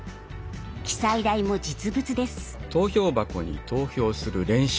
記載台も実物です。